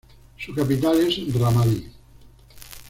Su capital es Ramadi.